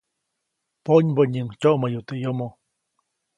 Ponybonyiʼuŋ tyoʼmäyu teʼ yomo.